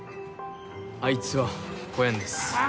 あいつは来やんですあ